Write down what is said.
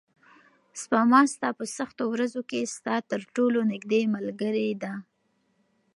سپما ستا په سختو ورځو کې ستا تر ټولو نږدې ملګرې ده.